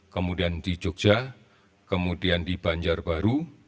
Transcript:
kemudian di jogja kemudian di banjarbaru